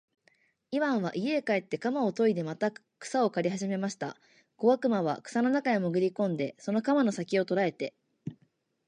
イワンは家へ帰って鎌をといでまた草を刈りはじめました。小悪魔は草の中へもぐり込んで、その鎌の先きを捉えて、